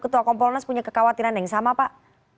ketua kompolnas punya kekhawatiran yang sama pak